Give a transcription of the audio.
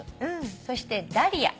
そしてダリア。